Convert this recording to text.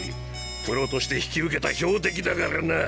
プロとして引き受けた標的だからな。